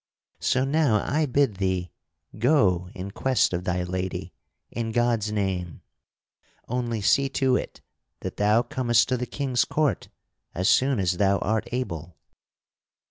So now I bid thee go in quest of thy lady in God's name; only see to it that thou comest to the King's court as soon as thou art able."